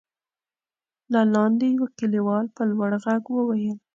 له لاندې يوه کليوال په لوړ غږ وويل: